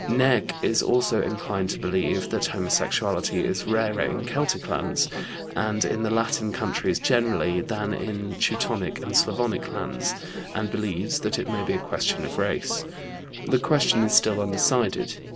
Näcke is also inclined to believe that homosexuality is rarer in Celtic lands, and in the Latin countries generally, than in Teutonic and Slavonic lands, and believes that it may be a question of race. The question is still undecided.